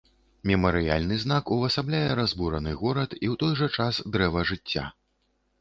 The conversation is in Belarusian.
Мемарыяльны знак увасабляе разбураны горад і ў той жа час дрэва жыцця.